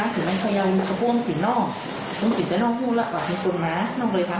ก็มีลักษณ์ว่านอกสาวลงแล้วก็ต้องมีประแทง